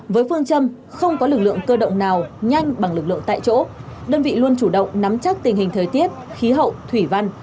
với phương châm không có lực lượng cơ động nào nhanh bằng lực lượng tại chỗ đơn vị luôn chủ động nắm chắc tình hình thời tiết khí hậu thủy văn